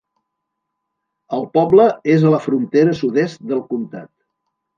El poble és a la frontera sud-est del comtat.